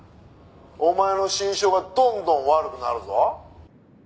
「お前の心証がどんどん悪くなるぞ」